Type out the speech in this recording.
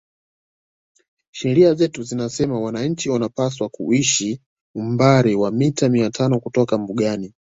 Sheria zetu zinasema wananchi wanapaswa kuishi umbali wa mita mia tano kutoka mbugani